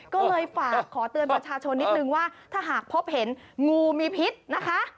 ก็เลยฝากขอเตือนประชาชนนิดนึงว่าถ้าหากพบเห็นงูมีพิษนะคะ